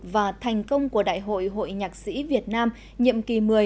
và thành công của đại hội hội nhạc sĩ việt nam nhiệm kỳ một mươi